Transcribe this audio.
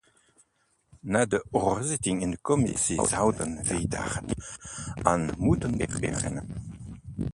Na de hoorzitting in de commissie zouden we daar niet aan moeten beginnen.